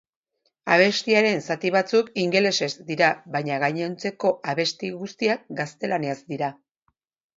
Abestiaren zati batzuk ingelesez dira baina gainontzekoabesti guztiak gaztelaniaz dira.